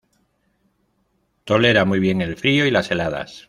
Tolera muy bien el frío y las heladas.